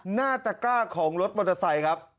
หน้าตะก้าของรถมอเตอร์ไซค์ครับ